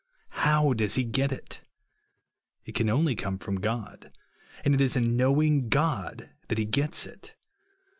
How does he get it ? It can only come from God ; and it is in knowing God that he gets it.